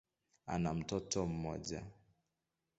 Ana mtoto mmoja.